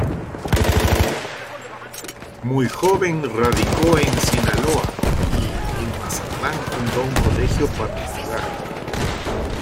Muy joven radicó en Sinaloa, y en Mazatlán fundó un colegio particular.